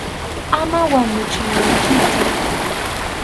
Ama wañuchiwaychikchu.